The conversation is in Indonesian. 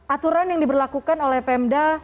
aturan yang diberlakukan oleh pemda